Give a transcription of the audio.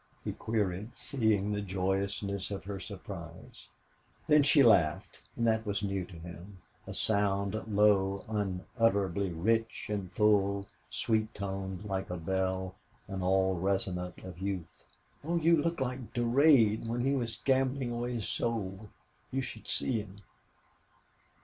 he queried, seeing the joyousness of her surprise. Then she laughed and that was new to him a sound low, unutterably rich and full, sweet toned like a bell, and all resonant of youth. "Oh, you look like Durade when he was gambling away his soul... You should see him!"